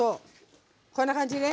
こんな感じね。